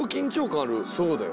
そうだよ。